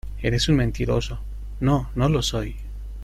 ¡ Eres un mentiroso! ¡ no, no lo soy !